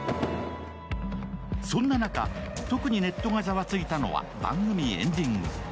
そんな中、特にネットがざわついたのは番組エンディング。